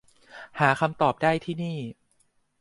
หาคำตอบได้ ที่นี่